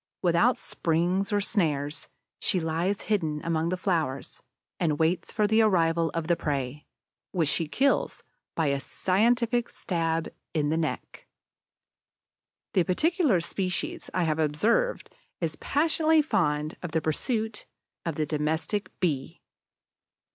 Without springs or snares, she lies hidden among the flowers, and waits for the arrival of the prey, which she kills by a scientific stab in the neck. The particular species I have observed is passionately fond of the pursuit of the Domestic Bee.